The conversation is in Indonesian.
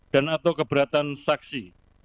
dan atau keberatan saksi